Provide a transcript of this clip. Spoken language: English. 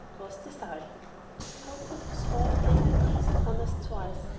Quoth the Sultan, "How could this whore play her tricks upon us twice?